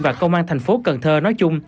và công an thành phố cần thơ nói chung